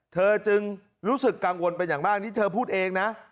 เธอจึงรู้สึกกังวลเป็นอย่างมากนี่เธอพูดเองนะ